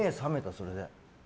それで。